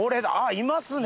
いますね。